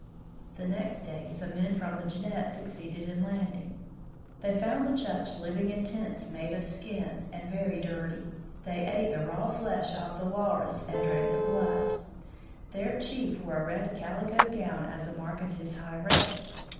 The next day some men from the Jeannette succeeded in landing. They found the Tchuktches living in tents 74 THE FROZEN NORTH made of skin, and very dirty. They ate the raw flesh of the walrus and drank the blood. Their chief wore a red calico gown as a mark of his high rank.